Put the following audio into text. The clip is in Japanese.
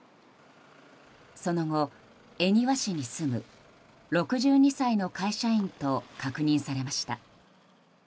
その後、恵庭市に住む６２歳の会社員と確認されました。